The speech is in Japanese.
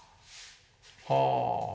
はあ。